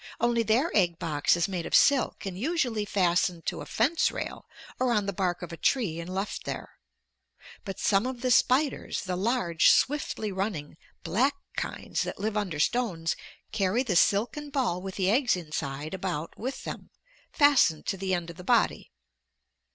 Only their egg box is made of silk and usually fastened to a fence rail or on the bark of a tree and left there. But some of the spiders, the large, swiftly running, black kinds that live under stones, carry the silken ball with the eggs inside about with them, fastened to the end of the body.